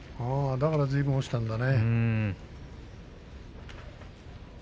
だからずいぶん落ちたんだね。